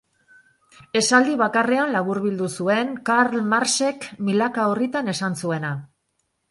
Esaldi bakarrean laburbildu zuen Karl Marxek milaka orritan esan zuena.